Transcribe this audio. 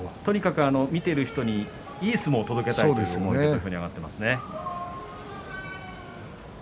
とにかく見ている人にいい相撲を届けたいという思いで上がっています。